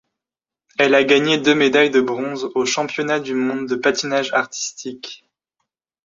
Elle a gagné deux médailles de bronze aux championnats du monde de patinage artistique.